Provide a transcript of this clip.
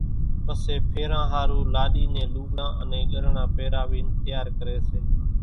پسيَ ڦيران ۿارُو لاڏِي نين لُوڳڙان انين ڳريڻان پيراوينَ تيار ڪريَ سي۔